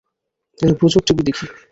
আমি প্রচুর টিভি দেখি।